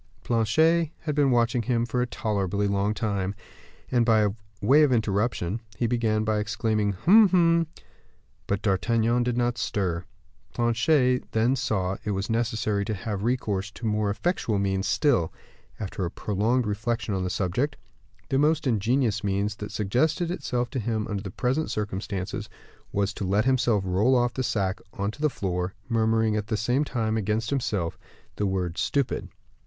Planchet had been watching him for a tolerably long time, and, by way of interruption, he began by exclaiming, "Hum! hum!" But D'Artagnan did not stir. Planchet then saw that it was necessary to have recourse to more effectual means still: after a prolonged reflection on the subject, the most ingenious means that suggested itself to him under the present circumstances, was to let himself roll off the sack on to the floor, murmuring, at the same time, against himself, the word "stupid."